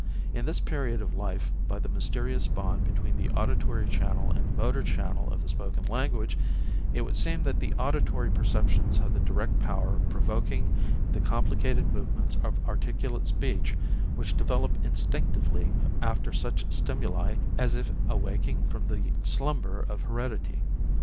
In this period of life by the mysterious bond between the auditory channel and the motor channel of the spoken language it would seem that the auditory perceptions have the direct power of provoking the complicated movements of articulate speech which develop instinctively after such stimuli as if awaking from the slumber of heredity.